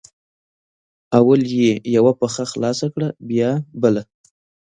اول یې یوه پښه خلاصه کړه بیا بله